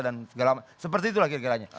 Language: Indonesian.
dan segala macam seperti itulah kira kiranya